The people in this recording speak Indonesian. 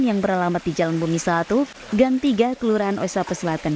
yang beralamat di jalan bumi satu gang tiga kelurahan osape selatan